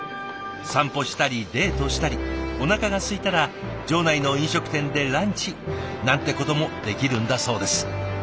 散歩したりデートしたりおなかがすいたら場内の飲食店でランチなんてこともできるんだそうです。